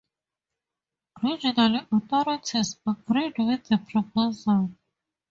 Regional authorities agreed with the proposal.